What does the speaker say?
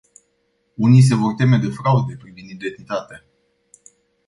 Unii se vor teme de fraude privind identitatea.